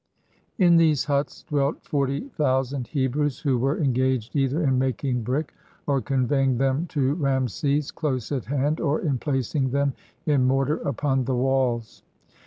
In these huts dwelt forty thousand Hebrews, who were engaged either in making brick, or conveying them to Raamses, close at hand, or in placing them in mortar upon the walls.